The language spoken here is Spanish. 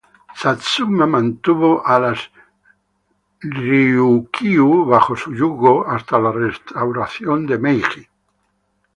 Satsuma mantuvo a las Ryukyu bajo su yugo hasta la restauración de Meiji.